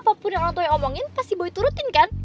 jadi apapun yang orang tua omongin pasti boy turutin kan